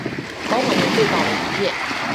保管员被绑了一夜。